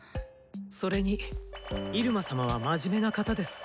それに入間様は真面目な方です。